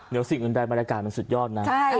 เดี๋ยวสิ่งอื่นใดบรรยากาศมันสุดยอดนะ